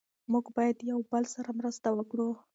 موږ باید د یو بل سره مرسته وکړو.